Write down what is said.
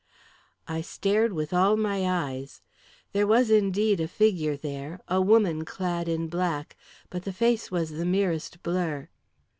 I stared with all my eyes. There was indeed a figure there a woman clad in black but the face was the merest blur.